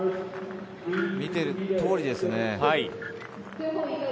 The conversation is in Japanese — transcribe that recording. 見てる通りですね。